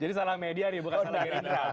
jadi salah media nih bukan salah geritra